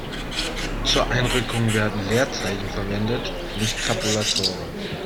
Zur Einrückung werden Leerzeichen verwendet, nicht Tabulatoren.